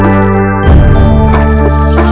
apa yang tahu covid sembilan belas